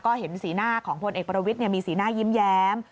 ก็เห็นสีหน้าของพลเอกประวิทย์มีสีหน้ายิ้มแย้ม